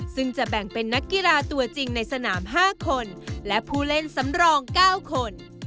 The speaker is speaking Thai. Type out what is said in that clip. ซึ่งจะแบ่งเป็นนักกีฬาตัวจริงในสนาม๕คนและผู้เล่นสำรอง๙คน